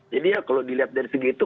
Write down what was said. jadi ya kalau dilihat dari segi itu